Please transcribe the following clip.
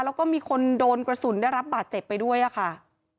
แล้วก็มีคนโดนกระสุนได้รับบาดเจ็บไปด้วยอะค่ะ